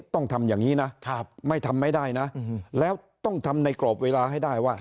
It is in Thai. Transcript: ต้องทำอย่างนี้นะไม่ทำไม่ได้นะแล้วต้องทำในกรอบเวลาให้ได้ว่า